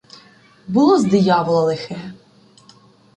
Було з диявола лихе.